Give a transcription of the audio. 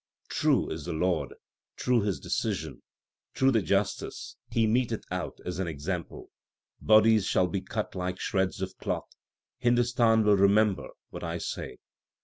True is the Lord, true His decision, true the justice He meteth out as an example. Bodies shall be cut like shreds of cloth ; Hindustan will remember what I say.